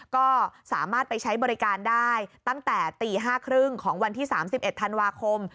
ก็สามารถไปใช้บริการได้ตั้งแต่ตี๕๓๐ของวันที่๓๑ธันวาคม